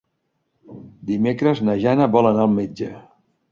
Dimecres na Jana vol anar al metge.